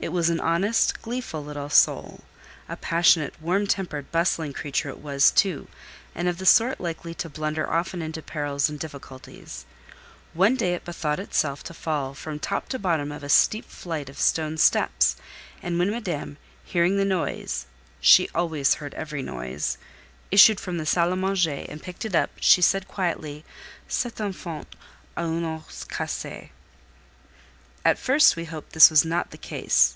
It was an honest, gleeful little soul: a passionate, warm tempered, bustling creature it was too, and of the sort likely to blunder often into perils and difficulties. One day it bethought itself to fall from top to bottom of a steep flight of stone steps; and when Madame, hearing the noise (she always heard every noise), issued from the salle à manger and picked it up, she said quietly,—"Cet enfant a un os cassé." At first we hoped this was not the case.